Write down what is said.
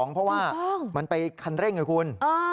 เพราะว่ามันไปคันเร่งไงคุณ